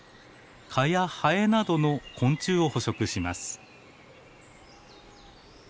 蚊やハエなどの昆虫を捕食します。